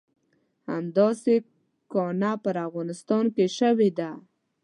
همداسې کانه په افغانستان کې شوې ده.